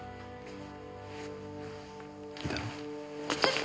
いいだろ？